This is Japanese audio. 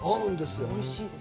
おいしいです。